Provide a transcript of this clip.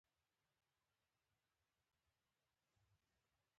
دوی څه اقتصادي ارزښت لري.